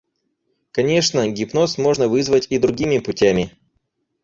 Конечно, гипноз можно вызвать и другими путями.